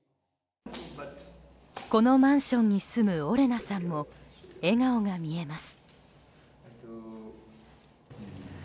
このマンションに住むオレナさんも笑顔が見えます。